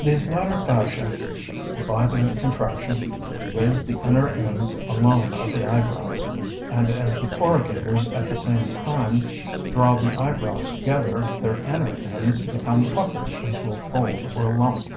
These latter fasciæ by their contraction raise the inner ends alone of the eyebrows; and as the corrugators at the same time draw the eyebrows together, their inner ends become puckered into a fold or lump.